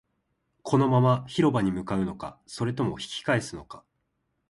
このまま広場に向かうのか、それとも引き返すのか